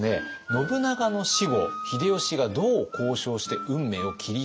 信長の死後秀吉がどう交渉して運命を切り開いていったのか。